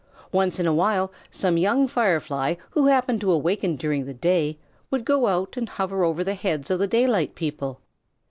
Once in a while some young Firefly who happened to awaken during the day would go out and hover over the heads of the daylight people.